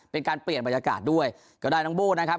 เป็นการเปลี่ยนบรรยากาศด้วยก็ได้น้องโบ้นะครับ